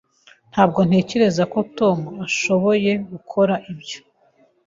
Ntabwo ntekereza ko Tom ashoboye gukora ibyo.